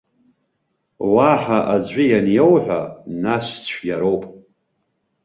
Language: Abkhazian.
Уаҳа аӡәы ианиауҳәа, нас цәгьароуп!